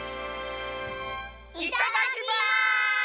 いただきます！